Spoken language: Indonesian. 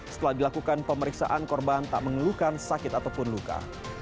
setelah dilakukan pemeriksaan korban tak mengeluhkan sakit ataupun luka